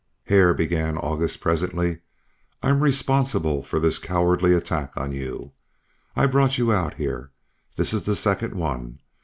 "Hare," began August, presently. "I'm responsible for this cowardly attack on you. I brought you out here. This is the second one.